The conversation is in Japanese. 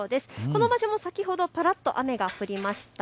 この場所も先ほどぱらっと雨が降りました。